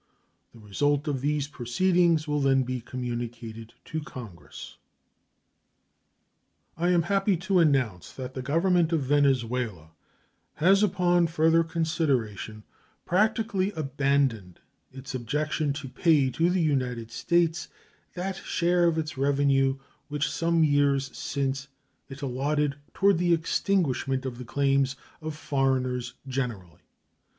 The result of those proceedings will then be communicated to Congress. I am happy to announce that the Government of Venezuela has, upon further consideration, practically abandoned its objection to pay to the United States that share of its revenue which some years since it allotted toward the extinguishment of the claims of foreigners generally.